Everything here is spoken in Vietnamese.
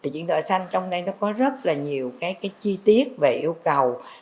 chuyển đổi sanh trong đây có rất nhiều chi tiết về yêu cầu